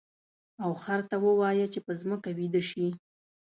او خر ته ووایه چې په ځمکه ویده شي.